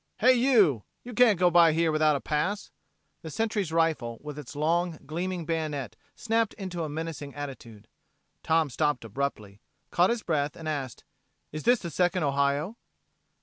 "Hey, you! You can't go by here without a pass!" The Sentry's rifle, with its long gleaming bayonet, snapped into a menacing attitude. Tom stopped abruptly, caught his breath, and asked: "Is this the Second Ohio?"